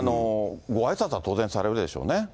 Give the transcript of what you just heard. ごあいさつは当然されるでしょうね。